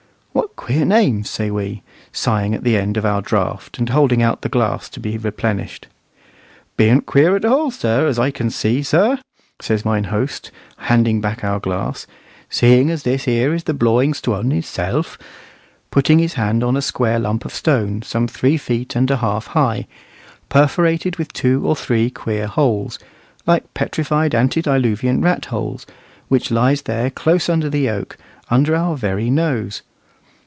"What queer names!" say we, sighing at the end of our draught, and holding out the glass to be replenished. "Bean't queer at all, as I can see, sir," says mine host, handing back our glass, "seeing as this here is the Blawing Stwun, his self," putting his hand on a square lump of stone, some three feet and a half high, perforated with two or three queer holes, like petrified antediluvian rat holes, which lies there close under the oak, under our very nose.